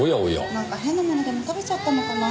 なんか変なものでも食べちゃったのかな？